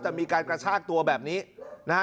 มีการกระชากตัวแบบนี้นะฮะ